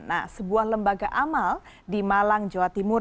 nah sebuah lembaga amal di malang jawa timur